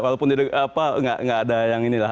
walaupun didekati apa nggak ada yang inilah